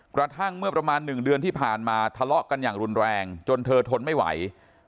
กระทั่งเมื่อประมาณ๑เดือนที่ผ่านมาทะเลาะกันอย่างรุนแรงจนเธอทนไม่ไหว